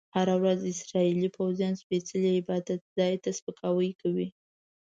هره ورځ اسرایلي پوځیان سپیڅلي عبادت ځای ته سپکاوی کوي.